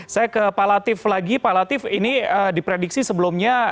saya ke pak latif lagi pak latif ini diprediksi sebelumnya